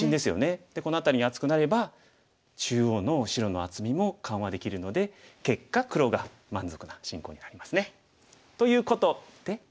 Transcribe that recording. でこの辺り厚くなれば中央の白の厚みも緩和できるので結果黒が満足な進行になりますね。ということで。